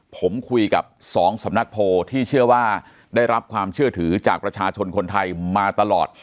ผมคุยกับสองสำนักโพลที่เชื่อว่าได้รับความเชื่อถือจากประชาชนคนไทยมาตลอด